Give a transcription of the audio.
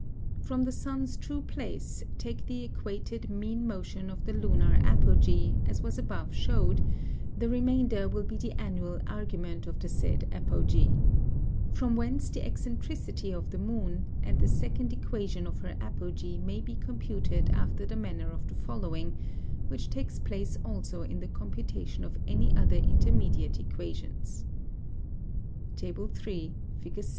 From the Sun's true Place, take the equated mean Motion of the Lunar Apogee, as was above shew'd, the Remainder will be the Annual Argument of the said Apogee. From whence the Eccentricity of the Moon, and the second Equation of her Apogee may be computed after the manner of the following (which takes place also in the Computation of any other intermediate Equations). Tab. 3. Fig.